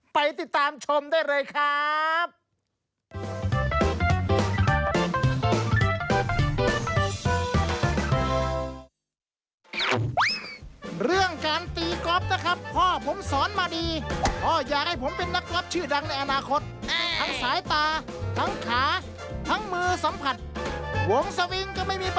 ไปติดตามชมได้เลยครับ